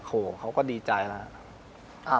โอ้โหเขาก็ดีใจแล้ว